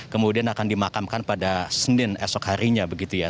kemudian akan dimakamkan pada senin esok harinya begitu ya